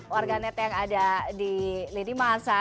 warganet yang ada di lidimasa